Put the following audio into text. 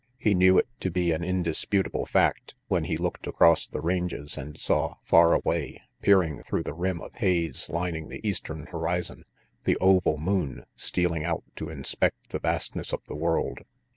He knew it to be an indis putable fact when he looked across the ranges and saw, far away, peering through the rim of haze lining the eastern horizon, the oval moon stealing out to inspect the vastness of the world.